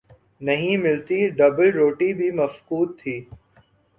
نہیں ملتی، ڈبل روٹی بھی مفقود تھی۔